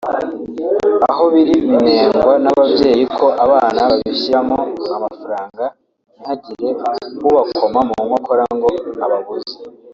aho biri binengwa n’ababyeyi ko abana babishyiramo amafaranga ntihagire ubakoma mu nkokora ngo ababuze